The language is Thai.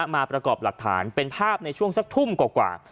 มาประกอบหลักฐานเป็นภาพในช่วงสักทุ่มกว่า